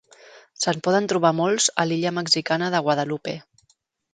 Se'n poden trobar molts a l'illa mexicana de Guadalupe.